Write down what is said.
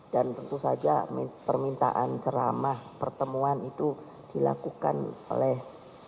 dan tentu saja permintaan ceramah pertemuan itu dilakukan oleh